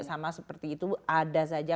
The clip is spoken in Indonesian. sama seperti itu ada saja